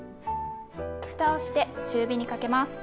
ふたをして中火にかけます。